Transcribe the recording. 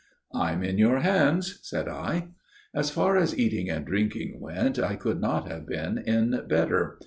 "I'm in your hands," said I. As far as eating and drinking went I could not have been in better.